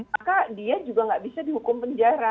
maka dia juga nggak bisa dihukum penjara